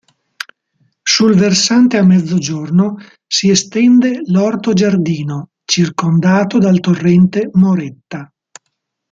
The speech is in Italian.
Sul versante a mezzogiorno si estende l'orto-giardino, circondato dal torrente Moretta.